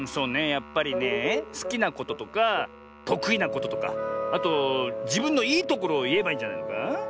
やっぱりねえすきなこととかとくいなこととかあとじぶんのいいところをいえばいいんじゃないのか？